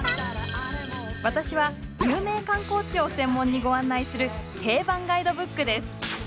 私は有名観光地を専門にご案内する定番ガイドブックです。